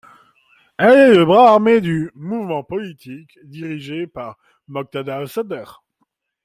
Elle est le bras armé du mouvement politique dirigé par Moqtada al-Sadr.